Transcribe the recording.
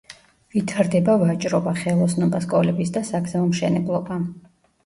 ვითარდებოდა ვაჭრობა, ხელოსნობა, სკოლების და საგზაო მშენებლობა.